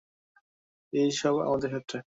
এই সব আমাদের ক্ষেত্র।